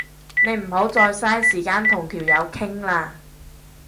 你唔好再嘥時間同條友傾啦